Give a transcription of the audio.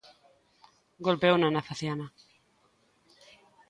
Golpeouna na faciana.